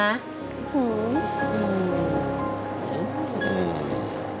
หอม